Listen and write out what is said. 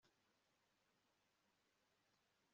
niba umwera uvuye i bukuru